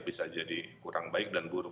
bisa jadi kurang baik dan buruk